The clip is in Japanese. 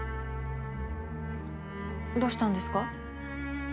どうしたんですか？